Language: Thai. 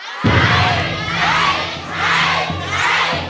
ใช้